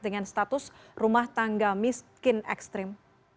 dengan status rumah tangga miskin ekstrim